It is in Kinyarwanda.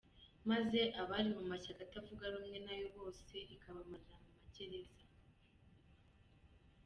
maze abari mu mashyaka atavugarumwe nayo bose ikabamarira mu magereza.